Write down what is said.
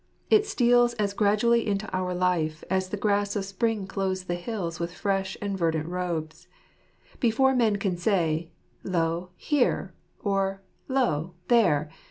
It steals as gradually into our life as the grass of spring clothes the hills with fresh and verdant robes. Before men can say, " Lo, here ! or lo, there